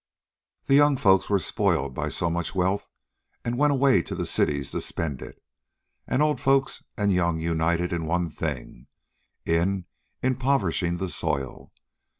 The young folks were spoiled by so much wealth and went away to the cities to spend it. And old folks and young united in one thing: in impoverishing the soil.